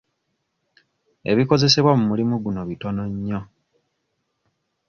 Ebikozesebwa mu mulimu guno bitono nnyo.